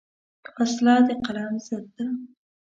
وسله د قلم ضد ده